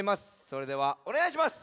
それではおねがいします。